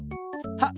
はっ！